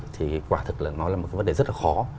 thì quả thực là nó là một cái vấn đề rất là khó